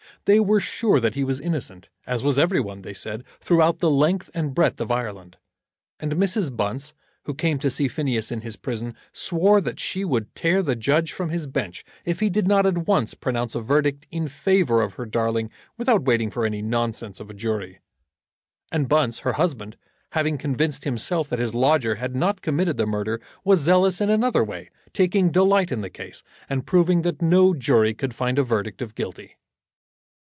They were sure that he was innocent, as was every one, they said, throughout the length and breadth of Ireland. And Mrs. Bunce, who came to see Phineas in his prison, swore that she would tear the judge from his bench if he did not at once pronounce a verdict in favour of her darling without waiting for any nonsense of a jury. And Bunce, her husband, having convinced himself that his lodger had not committed the murder, was zealous in another way, taking delight in the case, and proving that no jury could find a verdict of guilty.